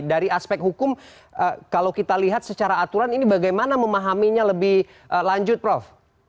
dari aspek hukum kalau kita lihat secara aturan ini bagaimana memahaminya lebih lanjut prof